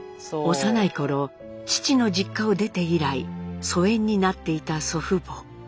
幼い頃父の実家を出て以来疎遠になっていた祖父母。